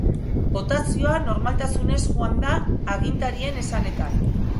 Botazioa normaltasunez joan da agintarien esanetan.